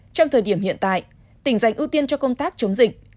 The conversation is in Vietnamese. trong thời điểm hiện tại tỉnh dành ưu tiên cho công tác chống dịch